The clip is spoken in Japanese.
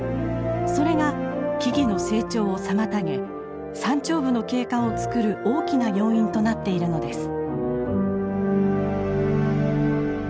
それが木々の成長を妨げ山頂部の景観を作る大きな要因となっているのです。